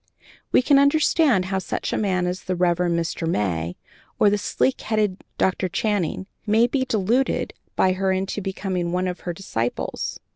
We can understand how such a man as the Rev. Mr. May, or the sleek headed Dr. Channing, may be deluded by her into becoming one of her disciples.